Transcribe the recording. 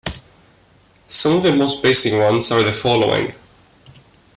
Some of the most basic ones are the following.